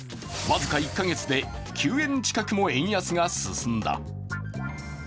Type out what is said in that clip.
僅か１カ月で９円近くも円安が進んだ。